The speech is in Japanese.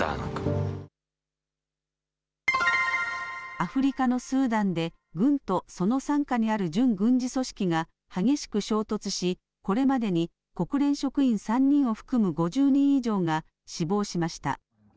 アフリカのスーダンで軍とその傘下にある準軍事組織が激しく衝突し、これまでに国連職員３人を含む５０人以上が死亡しました。